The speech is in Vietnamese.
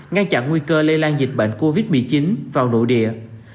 ngăn chặn nguy cơ lây lan dịch bệnh covid một mươi chín vào nội địa